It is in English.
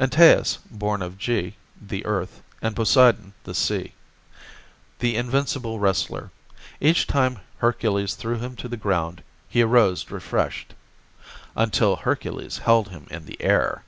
Antaeus, born of Ge, the Earth, and Poseidon, the Sea. The invincible wrestler. Each time Hercules threw him to the ground, he arose refreshed. Until Hercules held him in the air.